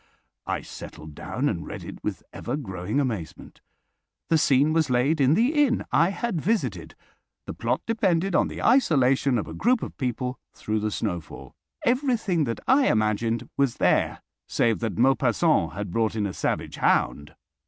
I settled down and read it with ever growing amazement. The scene was laid in the inn I had visited. The plot depended on the isolation of a group of people through the snowfall. Everything that I imagined was there, save that Maupassant had brought in a savage hound.